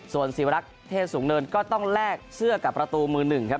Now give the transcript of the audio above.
ส่วนศิวรักษ์เทศสูงเนินก็ต้องแลกเสื้อกับประตูมือหนึ่งครับ